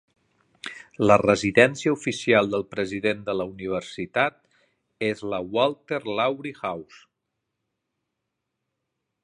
La residència oficial del president de la universitat és la Walter Lowrie House.